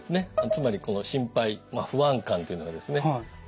つまりこの心配不安感というのがですね